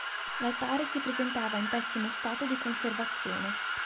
L'altare si presentava in pessimo stato di conservazione.